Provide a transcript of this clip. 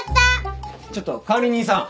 ちょっと管理人さん。